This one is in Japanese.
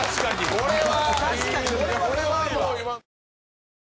これは。